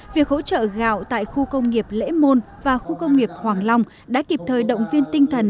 việc hỗ trợ gạo tại khu công nghiệp lễ môn và khu công nghiệp hoàng long đã kịp thời động viên tinh thần